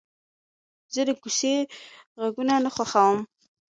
زه د کوڅې غږونه نه خوښوم.